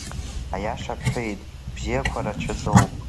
Аиаша бҳәеит, абзиақәа рацәаӡоуп.